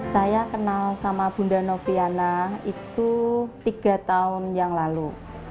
saya kenal sama bunda noviana itu tiga tahun yang lalu